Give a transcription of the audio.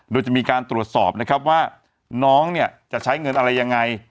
โดยจะมีการตรวจสอบนะครับว่าน้องเนี่ยจะใช้เงินอะไรยังไง